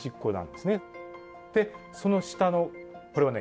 でその下のこれはね